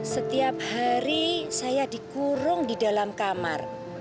setiap hari saya dikurung di dalam kamar